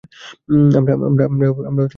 আমরা কি করতে পারি?